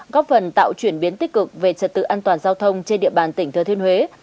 góp phần tạo chuyển biến tích cực về trật tự an toàn giao thông trên địa bàn tỉnh thừa thiên huế